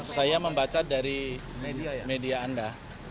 saya membaca dari media anda